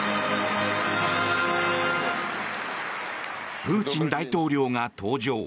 プーチン大統領が登場。